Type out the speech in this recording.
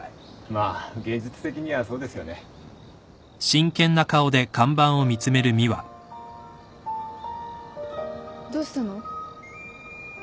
まあ現実的にはそうですよね。どうしたの？